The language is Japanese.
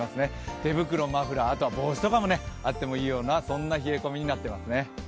手袋マフラー帽子とかもあってもいいような冷え込みとなってますね。